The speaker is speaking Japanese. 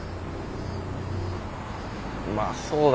まあそうだけど。